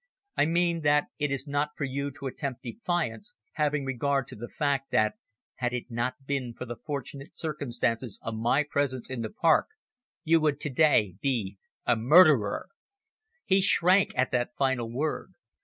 "I mean that it is not for you to attempt defiance, having regard to the fact that, had it not been for the fortunate circumstance of my presence in the park, you would to day be a murderer." He shrank at that final word.